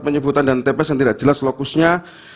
penyebutan dan tps yang tidak jelas lokusnya